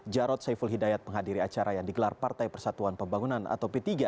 jarod saiful hidayat menghadiri acara yang digelar partai persatuan pembangunan atau p tiga